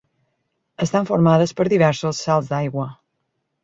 Estan formades per diversos salts d'aigua.